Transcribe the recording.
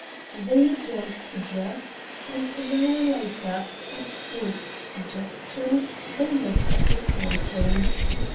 They adjourned to dress and an hour later, at Ford's suggestion, they met at the Carlton.